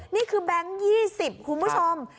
นี่คือแบงค์๒๐คุณผู้ชม